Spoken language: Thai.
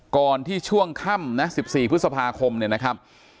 ก่อนที่ช่วงค่ำนะ๑๔พฤษภาคมเนี่ยนะครับ